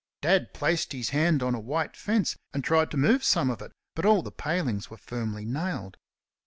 Dad placed his hand on a white fence and tried to move some of it, but all the palings were firmly nailed.